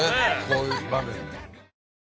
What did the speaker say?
こういう場面で。